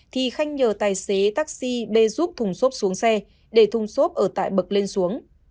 thì khanh nhờ tài xế taxi bê giúp thùng xốp xuống xe để thùng xốp ở tại bậc lên xuống